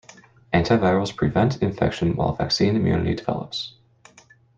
Antivirals prevent infection while vaccine immunity develops.